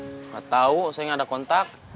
gak tau saya gak ada kontak